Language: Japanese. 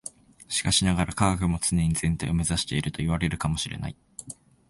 しかしながら、科学も常に全体を目指しているといわれるかも知れない。